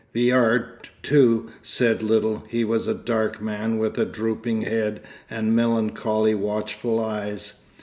Viard, too, said little; he was a dark man with a drooping head and melancholy, watchful eyes.